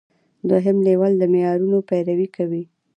دوهم لیول د معیارونو پیروي کوي.